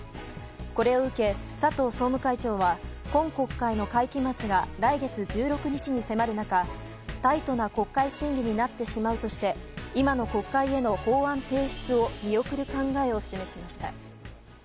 これを受け、佐藤総務会長は今国会の会期末が来月１６日に迫る中タイトな国会審議になってしまうとして今の国会への法案提出を見送る考えを示しました。